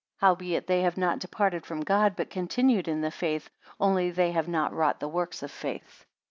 Howbeit they have not departed from God, but continued in the faith; only they have not wrought the works of faith.